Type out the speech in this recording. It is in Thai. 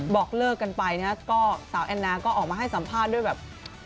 บอกเลิกกันไปนะก็สาวแอนนาก็ออกมาให้สัมภาษณ์ด้วยแบบ